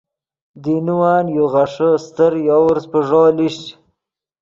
دینوّن یو غیݰے استر یوورس پیݱو لیشچ۔